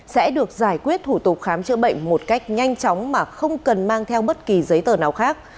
sẽ được giải quyết thủ tục khám chữa bệnh một cách nhanh chóng mà không cần mang theo bất kỳ giấy tờ nào khác